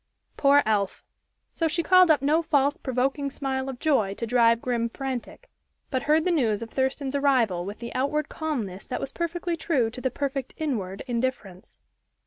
Poor elf! So she called up no false, provoking smile of joy, to drive Grim frantic, but heard the news of Thurston's arrival with the outward calmness that was perfectly true to the perfect inward indifference.